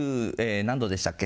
何度でしたっけ？